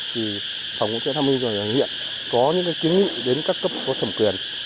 thì phòng ủng hộ trẻ tham minh và nhân dân hiện có những kiến nghiệm đến các cấp có thẩm quyền